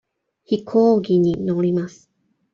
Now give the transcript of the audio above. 飛行機に乗ります。